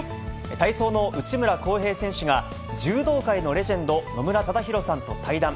体操の内村航平選手が、柔道界のレジェンド、野村忠宏さんと対談。